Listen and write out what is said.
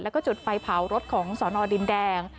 แล้วก็จุดไฟเผารถของสอนอดินแดง